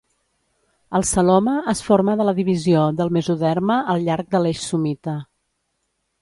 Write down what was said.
El celoma es forma de la divisió del mesoderma al llarg de l'eix somita.